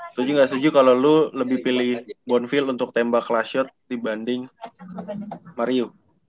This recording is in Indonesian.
setuju gak setuju kalo lu lebih pilih bonville untuk tembak last shot dibanding mario